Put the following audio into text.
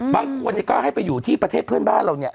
บางคนเนี่ยก็ให้ไปอยู่ที่ประเทศเพื่อนบ้านเราเนี่ย